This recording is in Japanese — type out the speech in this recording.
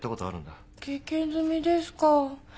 経験済みですか。